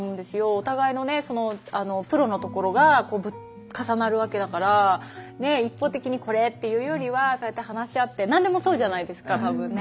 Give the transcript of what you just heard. お互いのねそのプロのところが重なるわけだから一方的にこれっていうよりはそうやって話し合って何でもそうじゃないですか多分ね。